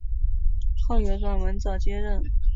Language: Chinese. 后由阮文藻接任。